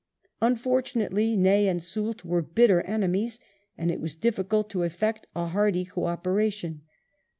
Unfortunately Ney and Soult were bitter enemies, and it was difficult to effect a hearty co operation.